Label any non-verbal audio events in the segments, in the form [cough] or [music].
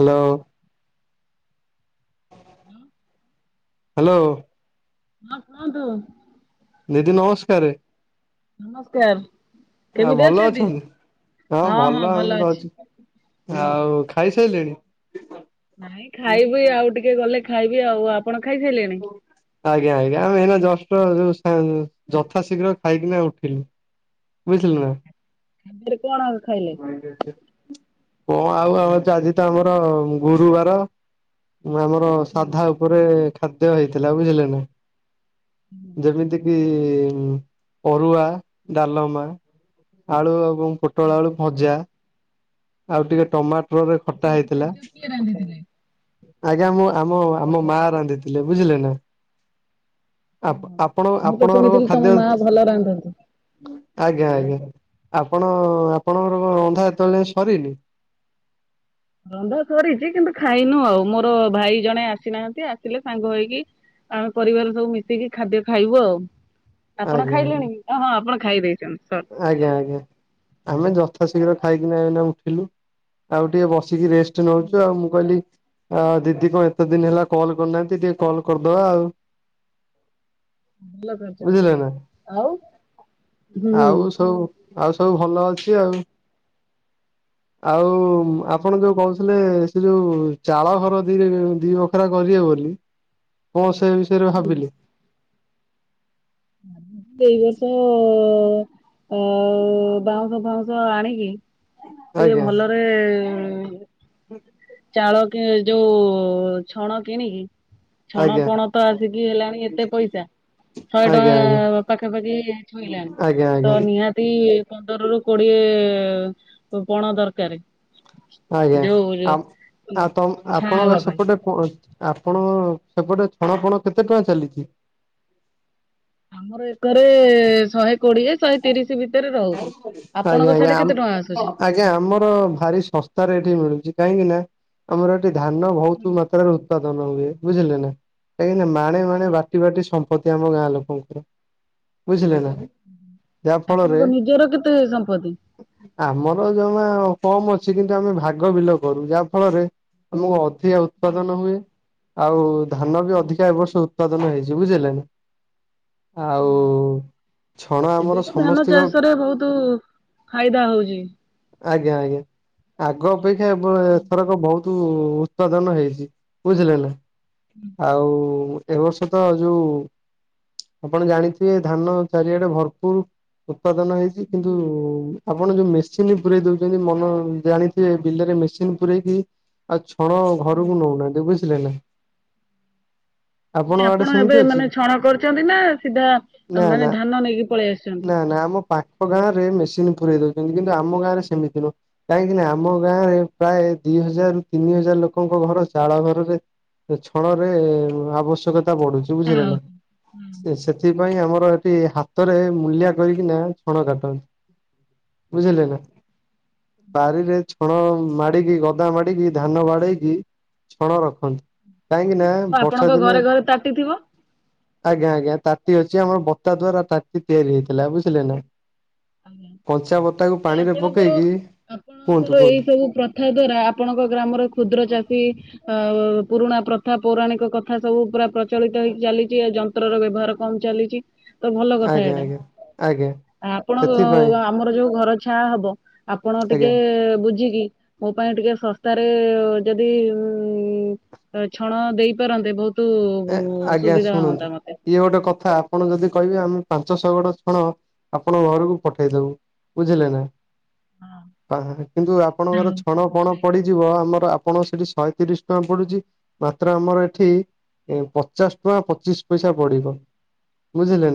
Hello. ହଁ। Hello. ହଁ କୁହନ୍ତୁ। ଦିଦି ନମସ୍କାରେ। ନମସ୍କାର। ଆ ଭଲ ଅଛନ୍ତି। ହଁ ଭଲ ଏ ତ ଅଛି। ଆଉ ଖାଇ ସାରିଲେଣି। ନାଇଁ ଖାଇବି ଆଉ ଟିକେ ଗଲେ ଖାଇବି ଆଉ। ଆପଣ ଖାଇସାରିଲେଣି? ଆଜ୍ଞା ଆଜ୍ଞା ଆମେ ଏହିନା ଜଷ୍ଟ୍ [unintelligible] ଯଥା ଶୀଘ୍ର ଖାଇକିନା ଉଠିଲି। ବୁଝିଲେ ନା। [inaudible] ଖାଇଲେ? ମାଇକ୍ ଅଛି। କଣ ଆଉ ଆମ ଆଜି ତ ଆମର ଗୁରୁବାର। ଆମର ହୁଁ ସାଧା ଉପରେ ଖାଦ୍ୟ ହେଇଥିଲା ବୁଝିଲେ ନା। ହୁଁ। ଯେମିତି କି ଯେମିତି କି ଅରୁଆ ଡାଲମା ଆଳୁ ଏବଂ ପୋଟଳ ଆଳୁ ଭଜା। ଆଉ ଟିକେ ଟମାଟରରେ ଖଟା ସବୁ ହେଇଥିଲା। ଖାଦ୍ୟ କିଏ ରାନ୍ଧିଥିଲେ? ଆଜ୍ଞା ମୁଁ ଆମ ଆମ ମା ରାନ୍ଧିଥିଲେ। ବୁଝିଲେ ନା। ଆପ ଆପଣ ମୁଁ ତ ଆପଣଙ୍କର ଶୁଣିଥିଲି ତମ ଖାଦ୍ୟ ମା ଭଲ ରାନ୍ଧନ୍ତି। ଆଜ୍ଞା ଆଜ୍ଞା। ଆପଣ ଆପଣଙ୍କର ରନ୍ଧା ଏତେବେଳ ଯାଏଁ ସରିନି। ରନ୍ଧା ସରିଛି କିନ୍ତୁ ଖାଇନୁ ଆଉ। ମୋର ଭାଇ ଜଣେ ଆସିନାହାନ୍ତି। ଆସିଲେ ସାଙ୍ଗ ହେଇକି ଆମେ ପରିବାର ସବୁ ମିଶିକି ଖାଦ୍ୟ ଖାଇବୁ ଆଉ। ଆପଣ ଆଜ୍ଞା ଖାଇଲେଣି କି। ଅ ହଁ ଆପଣ ଖାଇ ଦେଇଛନ୍ତି। ସରି। ଆଜ୍ଞା ଆଜ୍ଞା ଆମେ ଯଥା ଶୀଘ୍ର ଖାଇକିନା ଏଇନା ଉଠିଲୁ। ଆଉ ଟିକେ ବସ୍ [unintelligible] କି ରେଷ୍ଟ ନଉଛୁ ଆଉ। ମୁଁ କହିଲି ହଁ ଦିଦି କଣ ଏତେ ଦିନ ହେଲା କଲ କରିନାହାନ୍ତି। ଟିକେ କଲ କରିଦବା ଆଉ। ଭଲ କରିଛନ୍ତି। ବୁଝିଲେ ନା। ଆଉ ହୁଁ ଆଉ ସବୁ ଆଉ ସବୁ ଭଲ ଅଛି ଆଉ। ଆଉ ଆପଣ ଯୋଉ କହୁ ଥିଲେ ସେ ଯୋଉ ଚାଳ ଘର ଦି ଦି ବଖରା କରିବେ ବୋଲି। କଣ ସେ ବିଷୟରେ ଭାବିଲି। ଏଇ ବର୍ଷ ଅ ବାଉଁଶ ଫାଉଁସ ଆଣିକି ଟିକେ ଭଲରେ ହୁଁ। ଚାଳ କି ଯୋଉ ଛଣ କିଣିକି ଛଣ ଆଜ୍ଞା ପଣ ତ ଆସିକି ହେଲାଣି ଏତେ ପଇସା। ଶହେ ଆଜ୍ଞା ଆଜ୍ଞା ଟଙ୍କା ପାଖାପାଖି ଛୁଇଁଲାଣି। ଆଜ୍ଞା ତ ଆଜ୍ଞା। ନିହାତି ଇଏ ପନ୍ଦର ରୁ କୋଡିଏ ପଣ ଦରକାରେ। ଆଜ୍ଞା ଆପ୍ ଆ ତମ୍ ଛା ଆପଣଙ୍କ ହବା ପାଇଁ ସେପଟେ ପୁଅ ଆପ୍ ଆପଣ ସେପଟେ ଛଣପଣ କେତେ ଟଙ୍କା ଚାଲିଛି। ଆମର ଏକରେ ଶହେ। କୋଡିଏ ଶହେ ତିରିଶ ଭିତରେ ରହୁଛି ଆଜ୍ଞା ଆପଣଙ୍କ ସିଆଡେ କେତେ ଟଙ୍କା ଆଜ୍ଞା ଆସୁଛି? ଆଜ୍ଞା ଆମର ଭାରି ସସ୍ତାରେ ଏଠି ମିଳୁଛି। କାହିଁକି ନା, ଆମର ଏଠି ଧାନ ବହୁତ ମାତ୍ରାରେ ଉତ୍ପାଦନ ହୁଏ, ବୁଝିଲେ ନା? କାହିଁକି ନା ମାଣେ ମାଣେ, ଆଜ୍ଞା। ବାଟି ବାଟି ସମ୍ପତ୍ତି, ଆମ ଗାଁ ଲୋକଙ୍କର ବୁଝିଲେ ନା ଯାହା ଫଳରେ ଆପଣଙ୍କ ନିଜର କେତେ ସମ୍ପତ୍ତି? ଆମର ଜମା କମ ଅଛି କିନ୍ତୁ ଆମେ ଭାଗ ବିଲ କରୁ, ଯାହା ଫଳରେ ଆମକୁ ଅଧିକା ଉତ୍ପାଦନ ହୁଏ। ଆଉ ଧାନ ବି ଅଧିକା ଏ ବର୍ଷ ଉତ୍ପାଦନ ହେଇଛି, ବୁଝିଲ ନା? ଆଉ ଛଣ ଆମର ଏବେ ତ ଧାନ ସମସ୍ତିଙ୍କ ଚାଷରେ ବହୁତ ଫାଇଦା ହଉଛି। ଆଜ୍ଞା ଆଜ୍ଞା, ଆଗ ଅପେକ୍ଷା ଏଥରକ ବହୁତ ହୁତ ଉତ୍ପାଦନ ହେଇଛି, ବୁଝିଲେ ନା ଆଉ ଏ ବର୍ଷ ତ ଯୋଉ ଆପଣ ଜାଣିଥିବେ ଧାନ ଚାରିଆଡେ ଭରପୁର ଉତ୍ପାଦନ ହେଇଛି, କିନ୍ତୁ ଆପଣ ଯୋଉ ମେସିନ୍ ପୁରେଇ ଦଉଛନ୍ତି ମନ, ଜାଣିଥିବେ ବିଲରେ ମେସିନ ପୁରେଇ କି ଆଉ ଛଣ ଘରକୁ ନଉନାହାନ୍ତି ବୁଝିଲେ ନା? ଆପଣଙ୍କ ନାଇ ଆଡେ ଆପଣ ସେମିତି ଏବେ ଅଛି? ମାନେ ଛଣ କରୁଛନ୍ତି ନା ସିଧା ନା ନା ମାନେ ଧାନ ନେଇକି ପଳେଇ ଆସିଛନ୍ତି? ନା ନା ଆମ ପାଖ ଗାଁ ରେ ମେସିନ୍ ପୁରେଇ ଦଉଛନ୍ତି କିନ୍ତୁ ଆମ ଗାଁ ରେ ସେମିତି ନୁହଁ କାହିଁକି ନା ଆମ ଗାଁରେ ପ୍ରାୟ ଦି ହଜାର ତିନି ହଜାର ଲୋକଙ୍କ ଘର ଚାଳ ଘରରେ ଛଣ ରେ ଆବଶ୍ୟକତା ବଢୁଛି ବୁଝିଲେ ନା, ସେଥିପାଇଁ ଆମର ହାତରେ ମୂଲିଆ କରିକିନା ଛଣ କାଟନ୍ତି, ବୁଝିଲେ ନା। ବାରିରେ ଛଣ ମାଡିକି ଗଦା ମାଡିକି ଧାନ ବାଡେଇକି ଛଣ ରଖନ୍ତି। କାହିଁକି ନା, ବର୍ଷା ଆପଣଙ୍କ ଦିନେ ଘରେ ଘରେ ତାଟିଥିବ? ଆଜ୍ଞା ଆଜ୍ଞା ତା ତି ଅଛି ଆମର ବତା ଦ୍ଵାରା ତାଟି ତିଆରି ହେଇଥିଲା ବୁଝିଲେ ନା। [unintelligible] ତାକୁ ପାଣିରେ ଆପଣଙ୍କର ପକେଇକି କୁହନ୍ତୁ ଆପଣଙ୍କର କୁହନ୍ତୁ। ଏଇ ସବୁ ପ୍ରଥା ଦ୍ଵାରା ଆପଣଙ୍କ ଗ୍ରାମର କ୍ଷୁଦ୍ର ଚାଷୀ ଆଉ ପୁରୁଣା ପ୍ରଥା, ପୌରାଣିକ କଥା ସବୁ ପୁରା ପ୍ରଚଳିତ ହେଇକି ଚାଲିଛି ଆଉ ଯନ୍ତ୍ରର ବ୍ୟବହାର କଣ ଚାଲିଛି। ତ ଭଲ କଥା ଆଜ୍ଞା ଏଇଟା ଆଜ୍ଞା ଆଜ୍ଞା ଆ ଆପଣ ସେଥିପାଇଁ ଆମର ଯୋଉ ଘର ଛାଆ ହବ ଆପଣ ଆଜ୍ଞା ଟିକେ ବୁଝିକି ମୋ ପାଇଁ ଟିକେ ଶସ୍ତାରେ ଯଦି ଉ ଅ ଛଣ ଦେଇପାରନ୍ତେ ବହୁତ ଏ ଆଜ୍ଞା ସୁବିଧା ଶୁଣନ୍ତୁ, ହୁଅନ୍ତା ମତେ। ଇଏ ଗୋଟେ କଥା ଆପଣ ଯଦି କହିବେ ଆମେ ପାଞ୍ଚ ଛଅ ଗଡ ଛଣ ଆପଣଙ୍କ ଘରକୁ ପଠେଇ ଦବୁ ବୁଝିଲେ ନା। କିନ୍ତୁ ଆପଣଙ୍କର ଛଣ ପଣ ପଡିଯିବ ଆମର ଆପଣ ସେଠି ଶହେ ତିରିଶ ଟଙ୍କା ପଡୁଛି ମାତ୍ର ଆମର ଏଠି ଏ ପଚାଶ ଟଙ୍କା ପଚିଶ ପଇସା ପଡିବ, ବୁଝିଲେ ନା।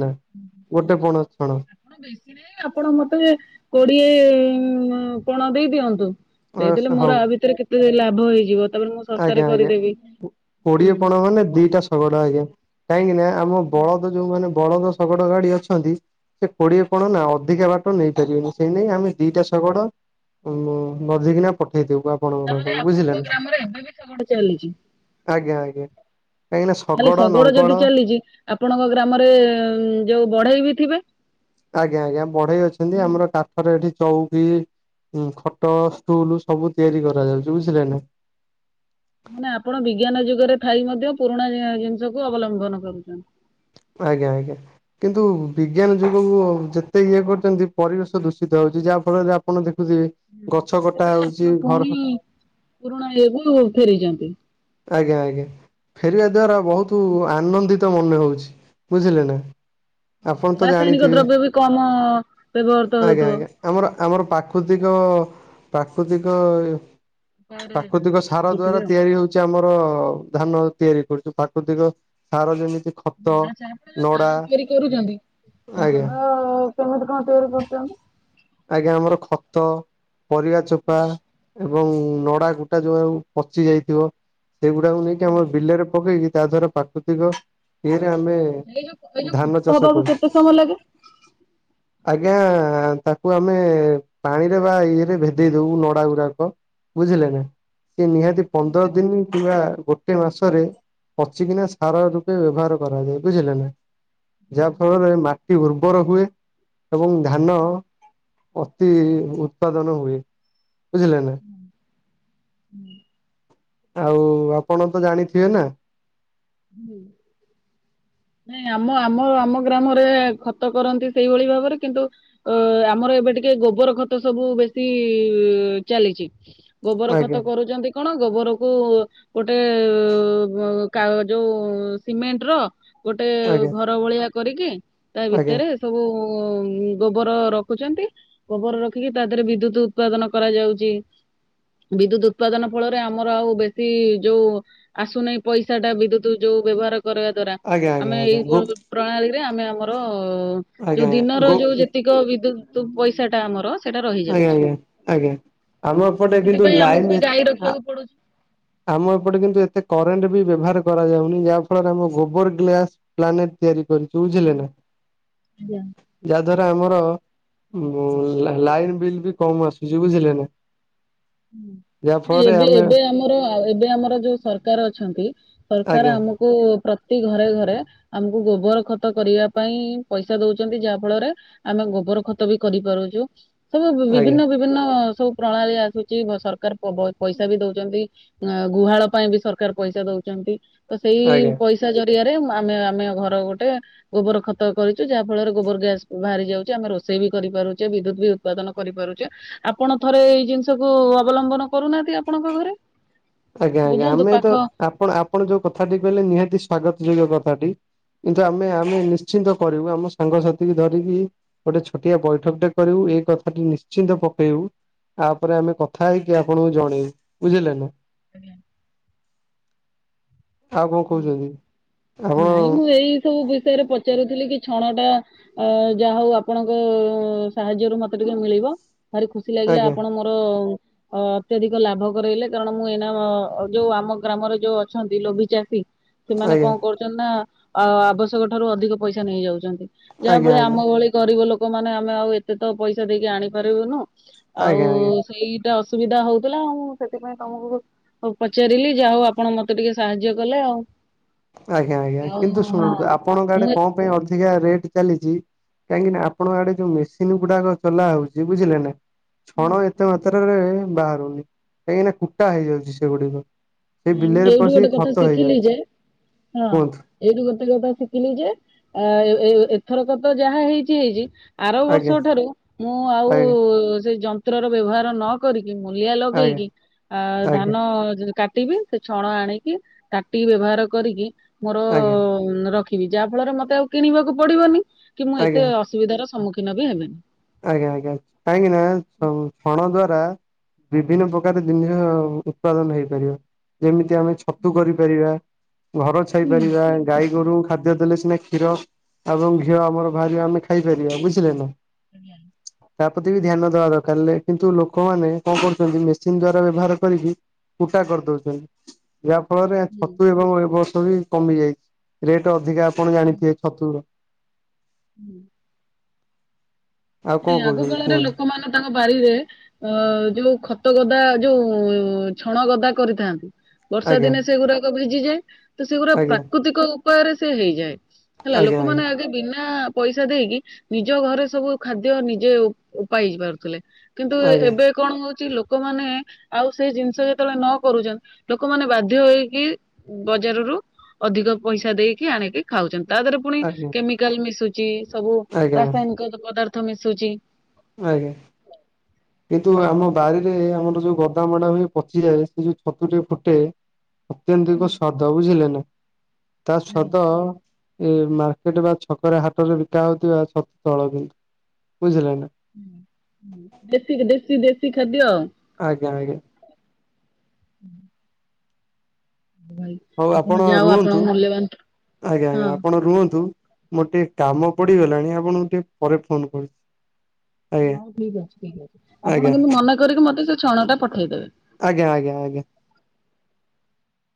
ଗୋଟେ ପଣ ଛଣ ଆପଣ ବେଶୀ ନାହିଁ ଆପଣ ମତେ କୋଡିଏ ପଣ ଦେଇଦିଅନ୍ତୁ, ଦେଇଦେଲେ ହଉ ମୋର ଆ ଭିତରେ କେତେ ଲାଭ ହେଇଯିବ। ତାପରେ ମୁଁ ଶସ୍ତାରେ ଆଜ୍ଞା ଆଜ୍ଞା, କରିଦେବି ହୁଁ। କୋଡିଏ ପଣ ମାନେ ଦିଟା ଶଗଡ ଆଜ୍ଞା କାହିଁକି ନା ଆମ ବଳଦ ଯୋଉମାନେ ବଳଦ ଶଗଡ ଗାଡି ଅଛନ୍ତି ସେ କୋଡିଏ ପଣ ନା ଅଧିକା ବାଟ ନେଇପାରିବେନି, ସେଇ ନେଇ ଆମେ ଦିଟା ଶଗଡ଼ ମୁଁ ନଧିକିନା ପଠେଇଦେବୁ ଆପଣଙ୍କ ତାହେଲେ ପାଖକୁ ଆପଣଙ୍କ ବୁଝିଲେ ନା। ଗ୍ରାମରେ ଏବେ ବି ଶଗଡ଼ ଚାଲିଛି। ଆଜ୍ଞା ଆଜ୍ଞା କାହିଁକିନା ତାହାଲେ ଶଗଡ ଶଗଡ଼ ନଙ୍ଗଳ ଯଦି ଚାଲିଛି, ଆପଣଙ୍କ ଗ୍ରାମରେ ଯୋଉ ବଢେଇ ବି ଥିବେ। ଆଜ୍ଞା ଆଜ୍ଞା, ବଢେଇ ଅଛନ୍ତି, ଆମର କାଠରେ ଏଠି ଚଉକି ହୁଁ ଖଟ, ଷ୍ଟୁଲ ସବୁ ତିଆରି କରାଯାଉଛି ବୁଝିଲେ ନା। ମାନେ ଆପଣ ବିଜ୍ଞାନ ଯୁଗରେ ଥାଇ ମଧ୍ୟ ପୁରୁଣା ଜିନିଷକୁୁ ଅବଲମ୍ବନ କରୁଛନ୍ତି। [inaudible] ଆଜ୍ଞା ଆଜ୍ଞା କିନ୍ତୁ ବିଜ୍ଞାନ ଯୁଗକୁ ଯେତେ ଇଏ କରୁଛନ୍ତି ପରିବେଶ ଦୂଷିତ ହଉଛି ଯାହା ଫଳରେ ଆପଣ ଦେଖୁଥିବେ। ଗଛ କଟା ସେଥିପାଇଁ ହଉଛି ଆପଣ ପୁଣି ଘର ପୁରୁଣା ଇଏକୁ ଫେରିଛନ୍ତି। ଆଜ୍ଞା ଆଜ୍ଞା ଫେରିବା ଦ୍ଵାରା ବହୁତ ଆନନ୍ଦି ତ ମନେ ହଉଛି ବୁଝିଲେ ନା। ଆପଣ ତ ରାସାୟନିକ ଜାଣିଥିବେ ଦ୍ରବ୍ୟ ବି କମ ବ୍ୟବହୃତ ଆଜ୍ଞା ହଉଥିବ। ଆଜ୍ଞା ଆମର ଆମର ପ୍ରାକୃତିକ ପ୍ରାକୃତିକ ପ୍ରାକୃତିକ ସାର ଦ୍ଵାରା ବୁଥିବେ ଆଉ। ତିଆରି ହଉ ଆମର ଧାନ ତିଆରି କରୁଛି ପ୍ରାକୃତିକ ସାର ଯେମିତି ଖତ ଆଛା ଆପଣ ଯୋଉ ନଡା ସାର ତିଆରି କରୁଛନ୍ତି ଆଜ୍ଞା। ସାର କେମିତି କଣ ତିଆରି କରୁଛନ୍ତି? ଆଜ୍ଞା ଆମର ଖତ ପରିବା ଚୋପା ଏବଂ ନଡା କୁଟା ଯୋଉ ଆଉ ପଚି ଯାଇଥିବ ସେଗୁଡାକୁ ନେଇକି ଆମ ବିଲରେ ପକେଇକି ତା ଦ୍ଵାରା ପ୍ରାକୃତିକ ଏରେ ଆମେ ଧାନ ଚାଷ ହବାକୁ କରୁ। କେତେ ସମୟ ଲାଗେ? ଆଜ୍ଞା ଆମେ ପାଣିରେ ବା ଇଏରେ ଭେଦେଇ ଦଉ ନଡା ଗୁଡାକ ବୁଝିଲେ ନା? ସେ ନିହାତି ପନ୍ଦର ଦିନ କିମ୍ବା ଗୋଟେ ମାସରେ ପଚିକିନା ସାର ରୂପେ ବ୍ୟବହାର କରାଯାଏ ବୁଝିଲେ ନା। ଯାହା ଫଳରେ ମାଟି ଉର୍ବର ହୁଏ ଏବଂ ଧାନ ଅତି ଉତ୍ପାଦନ ହୁଏ। ବୁଝିଲେ ନା ହୁଁ। ଆଉ ଆପଣ ତ ଜାଣିଥିବେ ନା। ହୁଁ। ଁ ନାଇଁ ଆମ ଆମ ଆମ ଗ୍ରାମରେ ଖତ କରନ୍ତି ସେଇଭଳି ଭାବରେ କିନ୍ତୁ ଅ ଆମର ଏବେ ଟିକ କେ ଗୋବର ଖତ ସବୁ ବେଶୀ ଚାଲିଛି। ଗୋବର ଖତ ଆଜ୍ଞା କରୁଛନ୍ତି କଣ ଗୋବର କୁ ଗୋଟେ ବ କା ଯୋଉ ସିମେଣ୍ଟ ର ଗୋଟେ ଆଜ୍ଞା ଘର ଭଳିଆ କରିକି ତା ଆଜ୍ଞା ଭିତରେ ସବୁ ଗୋବର ରଖୁଛନ୍ତି ଗୋବର ରଖିକି ତା ଦେହରେ ବିଦ୍ୟୁତ ଉତ୍ପାଦନ କରାଯାଉଛି। ବିଦ୍ୟୁତ ଉତ୍ପାଦନ ଫଳରେ ଆମର ଆଉ ବେଶୀ ଯୋଉ ଆସୁନହିଁ ପଇସା ଟା ବିଦ୍ୟୁତ ଯୋଉ ବ୍ୟବହାର କରିବା ଦ୍ଵାରା ଆଜ୍ଞା ଆଜ୍ଞା ଆମେ ଆଜ୍ଞା ଏଇ ଗୋ ପ୍ରଣାଳୀରେ ଆମେ ଆମର ଓ ଆଜ୍ଞା ଯୋଉ ଆଜ୍ଞା ଦିନର ଗୋ ଯୋଉ ଯେତିକ ବିଦ୍ୟୁତ ପଇସା ଟା ଆମର ସେଇଟା ଆଜ୍ଞା ରହିଯାଉଛି। ଆଜ୍ଞା ଆଜ୍ଞା ଆମ ଏପଟେ କିନ୍ତୁ ଲାଇନ ଯେ ଆ ଆମ ଏପଟେ କିନ୍ତୁ ଏତେ କରେଣ୍ଟ ବି ବ୍ୟବହାର କରାଯାଉନି ଯାହା ଫଳରେ ଆମ ଗୋବର ଗ୍ଲାସ୍ ପ୍ଲାନେଟ୍ ତିଆରି ଚୁ ବୁଝିଲେ ନା ଯାହା ଧର ଆମର ଲାଇନ ବିଲ୍ ବି କମ ଆସୁଛି ବୁଝିଲେ ନା। ଯାହା ନ ଫଳରେ ଏବେ ଆମେ ଏବେ ଆମର ଏବେ ଆମର ଯୋଉ ସରକାର ଅଛନ୍ତି ସରକାର ଆଜ୍ଞା ଆମକୁ ପ୍ରତି ଘରେ ଘରେ ଆମକୁ ଗୋବର ଖତ କରିବା ପାଇଁ ପଇସା ଦଉଛନ୍ତି ଯାହା ଫଳରେ ଆମେ ଗୋ ବର ଖତ ବି କରିପାରୁଛୁ। ସବୁ ଆଜ୍ଞା ବିଭିନ୍ନ ବିଭିନ୍ନ ସବୁ ପ୍ରଣାଳୀ ଆସୁଛି ସରକାର ବ ପଇସା ବି ଦଉଛନ୍ତି। ଅ ଗୁହାଳ ପାଇଁ ବି ସରକାର ପଇସା ଦଉଛନ୍ତି ତ ସେଇ ଆଜ୍ଞା। ପଇସା ଯ ରିଆରେ ଆମେ ଆମେ ଘର ଗୋଟେ ଗୋବର ଖତ କରିଛୁ ଯାହା ଫଳରେ ଗୋବର ଗ୍ୟାସ ବାହାରି ଯାଉଛି ଆମେ ରୋଷେ ସେ ବି କରିପାରୁଛେ ବିଦ୍ୟୁତ ବି ଉତ୍ପାଦନ କରିପାରୁଛେ ଆପଣ ଥରେ ଏଇ ଜିନିଷ ସବୁ ଅବଲମ୍ବନ କରୁନାହାନ୍ତି ଆପଣଙ୍କ ଘରେ। ଆଜ୍ଞା ଆଜ୍ଞା ବୁଝନ୍ତୁ ଆମେ ତ ପାଖ ଆପଣ ଆପଣ ଯୋଉ କଥାଟି କହିଲେ ନିହାତି ସ୍ଵାଗତ ଯୋଗ୍ୟ କଥାଟି। କିନ୍ତୁ ଆମେ ଆମେ ନି ଶ୍ଚିନ୍ତ କରିବୁ ଆମ ସାଙ୍ଗସାଥି ଧରିକି ଗୋଟେ ଛୋଟିଆ ବୈଠକ ଟେ କରିବୁ ଏଇ କଥାଟି ନିଶ୍ଚିନ୍ତ ପ ପକେଇବୁ ତାପରେ ଆମେ କଥା ହେଇକି ଆପଣଙ୍କୁ ଜଣେଇବୁ ବୁଝିଲେ ନା। ଆଜ୍ଞା। ଆଉ କଣ ହୁଁ କହୁଛନ୍ତି ଆପଣ ନାଇଁ ମୁଁ ଏଇ ସବୁ ବି ଷୟରେ ପଚାରୁଥିଲି କି ଛଣ ଟା ଅଁ ଯାହା ହୋଉ ଆପଣଙ୍କ ସାହାଯ୍ୟ ରୁ ମତେ ଟିକେ ମିଳିବ। ଭାରି ଖୁସି ଲାଗିଲା ଆଜ୍ଞା ଆପଣ ମୋରୋ ଅତ୍ୟଧିକ ଲାଭ କରେଇଲେ କାରଣ ମୁଁ ଏଇନା ଯୋଉ ଆମ ଗ୍ରାମରେ ଯୋଉ ଅଛନ୍ତି ଲୋଭି ଚା ଷୀ ସେମାନେ କଁ ଆଜ୍ଞା କରୁଛନ୍ତି ନା ଆ ଆବଶ୍ୟକ ଠାରୁ ଅଧିକ ପଇସା ନେଇଯାଉଚନ୍ ଯାହା ଆଜ୍ଞା ଫଳରେ ଆଜ୍ଞା। ଆମ ଭଳି ଗରିବ ଲୋକୋ ମାନେ ଆମେ ଆଉ ଏତେ ତ ପଇସା ଦେଇକି ଆଣିପାରିବୁନୁ। ଆଉ ଆଜ୍ଞା ଆଜ୍ଞା ସେଇ ଅସୁବିଧା ହୋଉଥୁଲା ଆଉ ସେଥିପାଇଁ ତମୁକୁ ପଚାରିଲି ଯାହା ହୋଉ ଆପଣ ମତେ ଟିକେ ସାହାଯ୍ୟ। କଲେ ଆଉ। ଆଜ୍ଞା ଆଜ୍ଞା ଓ କିନ୍ତୁ ଶୁଣନ୍ତୁ ହଁ ଆପଣଙ୍କ ଆଡେ ମୁଁ କଁ ପାଇଁ ଅଧିକା ରେଟ୍ ଚାଲିଚି। କାହିଁକି ନା ଆପଣଙ୍କ ଆଡେ ଯୋଉ ମେସିନ୍ ଗୁଡାକ ଚଲାହୋଉଚି ବୁଝିଲେ ନା। ହୁଁ, ଛଣ ଏତେ ମାତ୍ରାରେ ବାହାରୁନି କାହିଁକିନା କୁଟା ହେଇଯାଉଚି ସେଗୁଡିକ। ସେଇ ନାଇଁ ମୁଁ ବିଲରେ ଏଇଠୁ ଗୋଟେ ପଶିକି କଥା ଖତ ଶିଖିଲି ହେଇଯାଉଛି। ଯେ ହଁ କୁହନ୍ତୁ ଏଇଠୁ ଗୋତେ କଥା ଶିଖିଲି ଯେ ଆଁ ଏବ୍ ଏଇ ଏଥରକ ତ ଯାହା ହେଇଚି ହେଇଚି। ଆର ଆଜ୍ଞା ବର୍ଷ ଠାରୁ ମୁଁ ଆଉ ଆଜ୍ଞା ସେ ଯନ୍ତ୍ରର ବ୍ୟବହାର ନକରି। କି ମୂଲିଆ ଆଜ୍ଞା ଲଗେଇକି ଆ ଆଜ୍ଞା ଧାନ ଯ ଟିବେ ସେ ଛଣ ଆଣିକି ତାଟି ବ୍ୟବହାର କରିକି ମୋରୋ ଆଜ୍ଞା ଉଁ ରଖି ବି ଯାହା ଫଳରେ ମତେ ଆଉ କିଣିବାକୁ ପଡିବନି କି ମୁଁ ଏତେ ଆଜ୍ଞା ଅସୁବିଧାର ସମ୍ମୁଖୀନ ବି ହେବେନି। ଆଜ୍ଞା ଆଜ୍ଞା କାହିଁକି ନା ଛ ଛଣ ଦ୍ଵା ରା ବିଭିନ୍ନ ପ୍ରକାର ଜିନିଷ ଉତ୍ପାଦନ ହେଇପାରିବ ଯେମିତି ଆମେ ଛତୁ କରିପାରିବା। ଘର ହୁଁ ଛାଇପାରିବା ଗାଈ ଗୋରୁ ଖାଦ୍ୟ ଦେଲେ ସିନା କ୍ଷୀର ଆବଂ ଘିଅ ଆମର ବାହାରିବେ ଆମେ ଖାଇପାରିବା ବୁଝିଲେ ନା। [unintelligible] ତା ପତି ବି ଧ୍ୟାନ ଦବା ଦରକାର ଲେ କିନ୍ତୁ ଲୋକୋମାନେ କଁ କରୁଚନ୍ତି ମେସିନ୍ ଦ୍ଵାରା ବ୍ୟବହାର କରିକି। କୁଟା କରିଦୋଉଚନ୍ତି। ଯାହା ଫଳରେ ଛତୁ ଏବଂ ଏ ବର୍ଷ ବି କମି ଯାଇଚି ରେଟ ଅଧିକା ଆପଣ ଜାଣିଥିବେ ଛତୁ ର। ହୁଁ। ଆଉ କଣ ନାଇଁ ଆଗ କହୁଛନ୍ତି କାଳରେ କୁହନ୍ତୁ? ଲୋକୋ ମାନ ତାଙ୍କ ବାରରେ ଅଁ ଯୋଉ ଖତ ଗଦା ଯୋଉ ଛଣ ଗଦା କରିଥାନ୍ତି। ବର୍ଷା ଆଜ୍ଞା ଦିନେ ସେଗୁରାକ ଭିଜିଯାଏ ତ ସେଗୁରା ଆଜ୍ଞା ପ୍ରାକୃତିକ ଉପାୟରେ ସେ ହେଇଯାଏ। ହେଲା ଆଜ୍ଞା ଆଜ୍ଞା ଲୋକୋମାନେ ଆଗେ ବିନା ପଇସା ଦେଇକି ନିଜ ଘରେ ସବୁ ଖାଦ୍ୟ ନିଜେ ଉପ ଉପାଇ ପାରୁଥୁଲେ କିନ୍ତୁ ଏ ଆଜ୍ଞା ଏବେ କଣ ହୋଉଚି ଲୋ କୋମାନେ ଆଉ ସେଇ ଜିନିଷ ଯେତେବୋଳେ ନ କରୁଚନ୍ ଲୋକୋମାନେ ବାଧ୍ୟ ହୋଇକି ବଜାରରୁ ଅଧିକ ପଇସା ଦେଇକି ଆଣିକି ଖାଉଚନ୍ ତାଦେହେରେ ପୁଣି ଆଜ୍ଞା କେମିକାଲ ମିଶୁଚି ସବୁ ଆଜ୍ଞା ରାସାୟନିକ ଯୋଉ ପଦାର୍ଥ ମିଶୁଚି। ଆଜ୍ଞା। କିନ୍ତୁ ଆମ ବାରିରେ ଆମର ଯୋଉ ଗଦାମଡ଼ା ହୁଏ ପଚିଯାଏ ସେ ଯୋଉ ଛତୁଟେ ଫୁଟେ ଅତ୍ୟନଧିକ ସ୍ୱାଦ ବୁଝିଲେ ନା ତା ସ୍ୱାଦ ଏ ମାର୍କେଟ ବା ଛକରା ହାଟରେ ବିକା ହୋଉଥିବା ଛତୁ ତଳ କିନ୍ତୁ ବୁଝିଲେ ନା। ହୁଁ ହୁଁ ଦେଶୀ କି ଦେଶୀ ଦେଶୀ ଖାଦ୍ୟ ଆଉ। ଆଜ୍ଞା ଆଜ୍ଞା। ହୁଁ। ହୋଉ ଆପଣ ଯାଅ ରୁହନ୍ତୁ ଆପଣଙ୍କ ମୂଲ୍ୟବାନ ଆଜ୍ଞା ଆଜ୍ଞା ହଁ ଆପଣ ରୁହନ୍ତୁ। ମୋର ଟିକେ କାମ ପଡିଗଲାଣି ଆପଣଙ୍କୁ ଟିକେ ପରେ ଫୋନ୍ କରୁ ହୋଉ ଠିକ ଅଛି ଠିକ ଅଛି ଆପଣ ଆଜ୍ଞା କିନ୍ତୁ ମନେ କରିକି ମତେ ସେ ଛଣ ଟା ପଠେଇଦେବେ। ଆଜ୍ଞା ଆଜ୍ଞା ଆଜ୍ଞା।